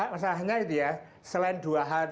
masalahnya itu ya selain dua hal